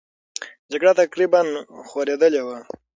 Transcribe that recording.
جګړه تقریبا خورېدلې وه.